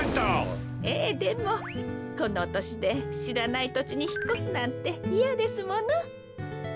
ええでもこのとしでしらないとちにひっこすなんていやですもの。